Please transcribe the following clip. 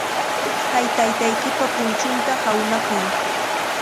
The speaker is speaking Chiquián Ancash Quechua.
Kay taytaykipa punchunta hawnakuy.